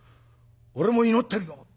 俺も祈ってるよ」。